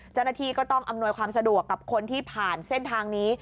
เจ้าหน้าที่ก็ต้องอำนวยความสะดวกกับคนที่ผ่านเส้นทางนี้